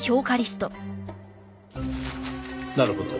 なるほど。